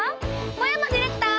小山ディレクター！